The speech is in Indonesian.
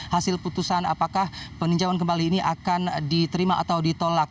hasil putusan apakah peninjauan kembali ini akan diterima atau ditolak